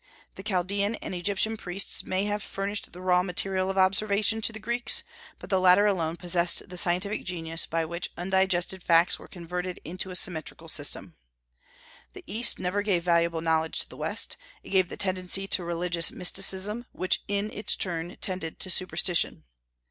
The Chaldaean and Egyptian priests may have furnished the raw material of observation to the Greeks, but the latter alone possessed the scientific genius by which undigested facts were converted into a symmetrical system. The East never gave valuable knowledge to the West; it gave the tendency to religious mysticism, which in its turn tended to superstition.